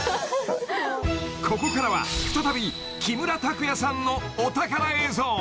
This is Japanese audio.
［ここからは再び木村拓哉さんのお宝映像］